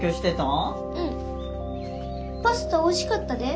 パスタおいしかったで。